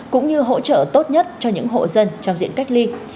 cũng như hỗ trợ tốt nhất cho những hộ dân trong diện cách ly